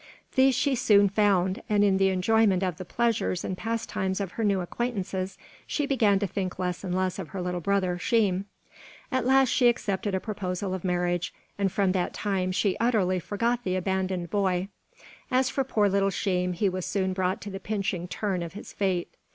These she soon found, and in the enjoyment of the pleasures and pastimes of her new acquaintances, she began to think less and less of her little brother, Sheem. At last she accepted a proposal of marriage, and from that time she utterly forgot the abandoned boy. As for poor little Sheem, he was soon brought to the pinching turn of his fate.